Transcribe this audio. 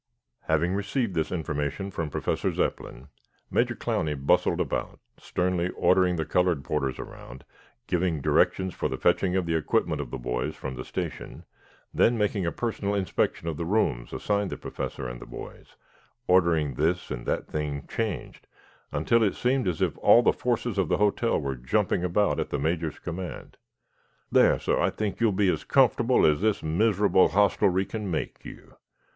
Having received this information from Professor Zepplin, Major Clowney bustled about, sternly ordering the colored porters around, giving directions for the fetching of the equipment of the boys from the station, then making a personal inspection of the rooms assigned the Professor and the boys, ordering this and that thing changed, until it seemed as if all the forces of the hotel were jumping about at the Major's command. "There, sah, I think you will be as comfortable as this miserable hostelry can make you.